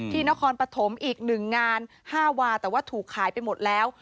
นครปฐมอีก๑งาน๕วาแต่ว่าถูกขายไปหมดแล้ว